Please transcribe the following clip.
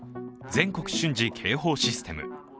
全国瞬時警報システム。